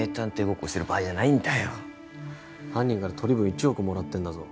ごっこしてる場合じゃない犯人から取り分１億もらってんだぞ